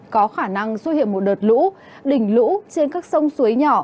có khả năng xuất hiện một đợt lũ đỉnh lũ trên các sông suối nhỏ